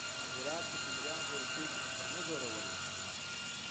د هرات د تیموریانو په وروستیو کې پښتانه زورور وو.